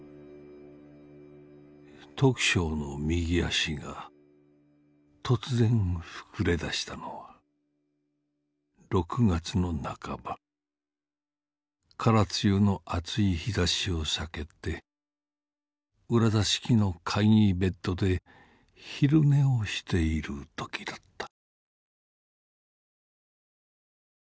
「徳正の右足が突然膨れ出したのは六月の半ば空梅雨の暑い日差しを避けて裏座敷の簡易ベッドで昼寝をしている時だった」。